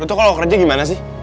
lo tuh kalau kerja gimana sih